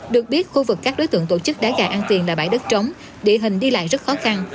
được biết khu vực các đối tượng tổ chức đá gà ăn tiền là bãi đất trống địa hình đi lại rất khó khăn